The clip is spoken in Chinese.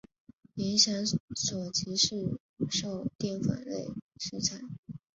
影响所及市售淀粉类食材。